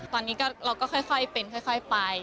ตอนนี้เราก็ค่อยเป็นค่อยไป